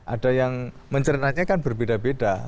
ada yang mencerna nya kan berbeda beda